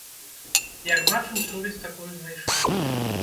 Як бачым, сувязь такую знайшлі.